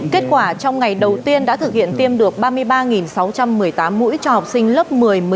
kết quả trong ngày đầu tiên đã thực hiện tiêm được ba mươi ba sáu trăm một mươi tám mũi cho học sinh lớp một mươi một mươi một một mươi hai